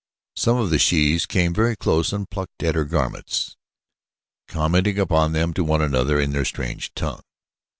Some of the shes came very close and plucked at her garments, commenting upon them to one another in their strange tongue.